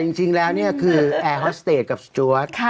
จริงแล้วนี่คือแอร์ฮอสเตจกับสจวด